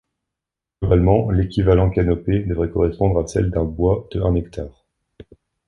Globalement, l'équivalent-canopée devrait correspondre à celle d'un bois de un hectare.